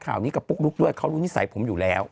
และไม่ขอบพุกลูกด้วยเขารู้นิสัยผมอยู่แล้ว